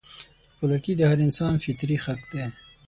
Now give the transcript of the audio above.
خپلواکي د هر انسان فطري حق دی.